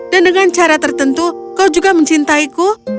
dan dengan cara tertentu kau juga mencintaiku